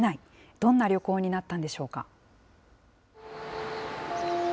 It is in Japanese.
どんな旅行になったんでしょうか。